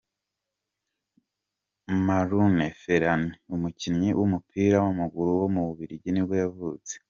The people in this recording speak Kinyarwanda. Marouane Fellaini, umukinnyi w’umupira w’amaguru w’umubiligi nibwo yavutse.